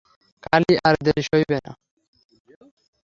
কালই, আর দেরি সইবে না।